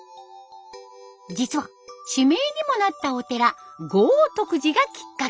実は地名にもなったお寺豪徳寺がきっかけ。